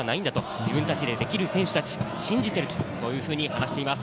自分たちでできる選手、信じていると話しています。